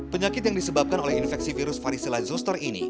penyakit yang disebabkan oleh infeksi virus varicela zoster ini